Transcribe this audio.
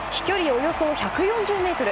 およそ１４０ｍ。